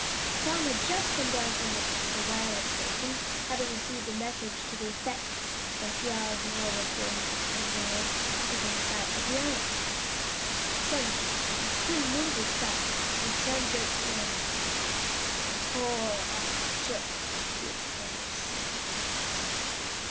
Tom had just come down from the wireless station, having received a message to the effect that a few hours more would bring the CAMBARANIAN within sight of the island. Suddenly there was a tremendous shock, as if some great cannon had been fired, and the whole island shook to its very centre.